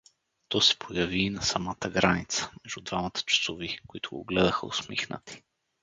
То се появи и на самата граница, между двамата часови, които го гледаха усмихнати.